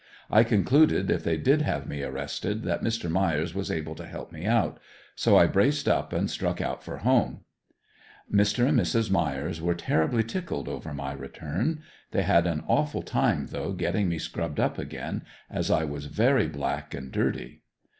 I concluded if they did have me arrested that Mr. Myers was able to help me out, so I braced up and struck out for home. Mr. and Mrs. Myers were terribly tickled over my return. They had an awful time though getting me scrubbed up again, as I was very black and dirty.